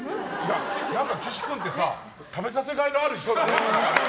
岸君ってさ食べさせがいがある人だね。